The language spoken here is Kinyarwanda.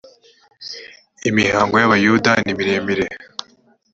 imihango y ‘abayuda nimiremire.